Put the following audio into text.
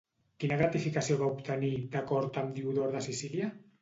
Quina gratificació va obtenir, d'acord amb Diodor de Sicília?